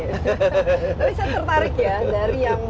tapi saya tertarik ya dari yang